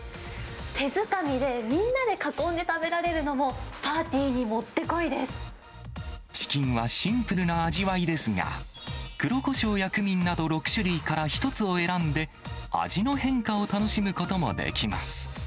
手づかみでみんなで囲んで食べられるのも、パーティーにもってこチキンはシンプルな味わいですが、黒コショウやクミンなど６種類から１つを選んで、味の変化を楽しむこともできます。